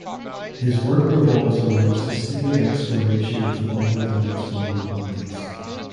His work revolves around sustained exploration of the body and its vulnerabilities.